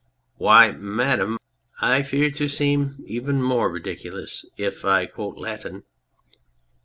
Why, Madame, I fear to seem even more ridiculous if I quote Latin.